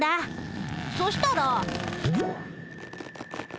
そしたら。